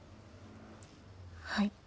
はい。